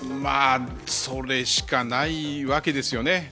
それしかないわけですよね。